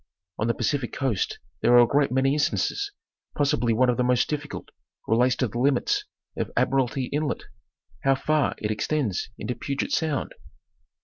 On the Pacific coast there are a great many instances, possibly one of the most difficult relates to the limits of Admiralty Inlet, how far it extends into Puget sound